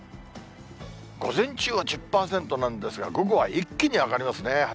午前中は１０％なんですが、午後は一気に上がりますね。